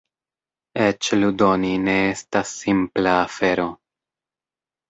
Eĉ ludoni ne estas simpla afero.